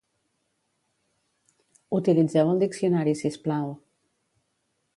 Utilitzeu el diccionari sisplau